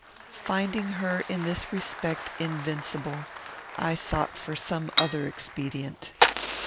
Finding her, in this respect, invincible, I sought for some other expedient.